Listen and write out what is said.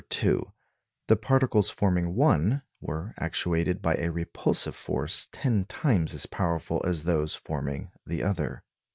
The particles forming the one were actuated by a repulsive force ten times as powerful as those forming the other.